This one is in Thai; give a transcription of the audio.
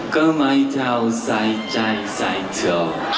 ก็ไม่เท่าสาดใจใส่เธอ